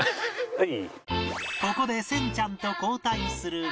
はい。